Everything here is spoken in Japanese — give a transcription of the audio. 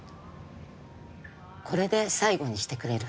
これで最後にしてくれる？